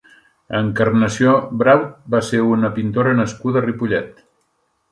Encarnació Braut va ser una pintora nascuda a Ripollet.